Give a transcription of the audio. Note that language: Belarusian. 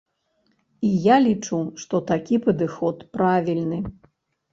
І я лічу, што такі падыход правільны.